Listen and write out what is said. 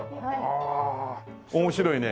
ああ面白いね。